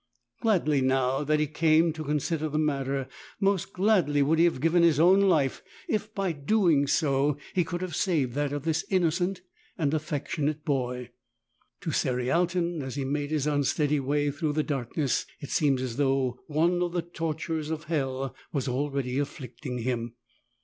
Gladly, now that he came to con sider the matter, most gladly would he have given his own life if by so doing he could have saved that of this innocent and affectionate boy. To Cerialton, as he made his unsteady way through the darkness, it seemed as though one of the tortures of hell was already afflicting him.